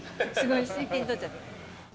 真剣に撮っちゃった。